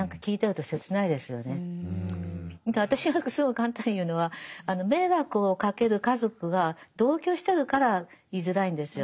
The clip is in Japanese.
私なんかすごい簡単に言うのは迷惑をかける家族が同居してるから居づらいんですよ。